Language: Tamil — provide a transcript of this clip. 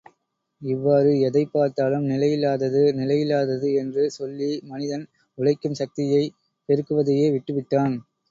இவ்வாறு எதைப்பார்த் தாலும் நிலையில்லாதது நிலையில்லாதது என்று சொல்லி மனிதன் உழைக்கும் சக்தியைப் பெருக்குவதையே விட்டு விட்டான்.